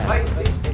baik baik baik